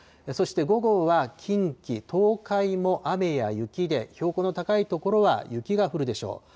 そして、午後は近畿、東海も雨や雪で、標高の高い所は雪が降るでしょう。